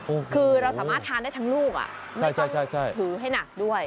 โอ้โหคือเราสามารถทานได้ทั้งลูกอ่ะใช่ใช่ถือให้หนักด้วย